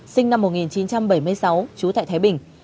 sinh năm một nghìn chín trăm bảy mươi sáu trú tại thái bình